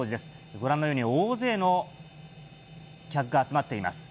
ご覧のように、大勢の客が集まっています。